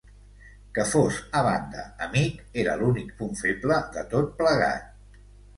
Que fos, a banda, amic, era l'únic punt feble de tot plegat.